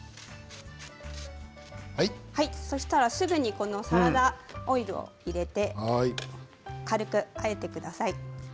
そうしたらすぐにサラダオイルを入れて軽くあえてください。